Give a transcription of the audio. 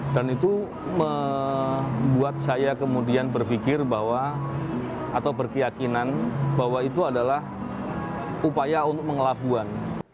dan itu membuat saya kemudian berpikir bahwa atau berkeyakinan bahwa itu adalah upaya untuk mengelabuan